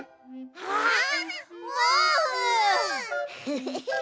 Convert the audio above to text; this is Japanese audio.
フフフフ。